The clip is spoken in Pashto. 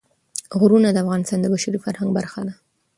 غرونه د افغانستان د بشري فرهنګ برخه ده.